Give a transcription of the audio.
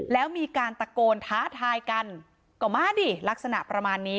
แล้วมีการตะโกนท้าทายกันก็มาดิลักษณะประมาณนี้